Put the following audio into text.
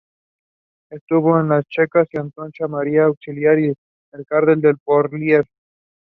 Principal photography was to be continued in Spain.